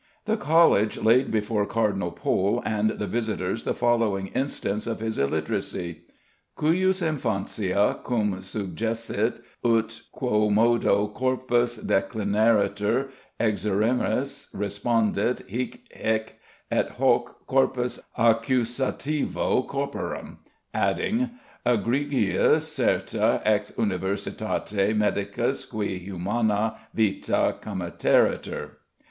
The College laid before Cardinal Pole and the visitors the following instance of his illiteracy: "Cujus infantia, cum suggessit ut quomodo corpus declinaretur, exigeremus, respondit hic, hæc, et hoc corpus accusativo corporem," adding "egregius certe ex universitate medicus cui humana vita committeretur."